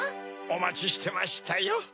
おまちしてましたよ。